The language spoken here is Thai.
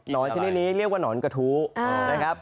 อนชนิดนี้เรียกว่าหนอนกระทู้นะครับ